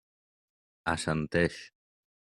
Assenteix.